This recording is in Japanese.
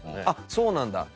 あっそうなんだ。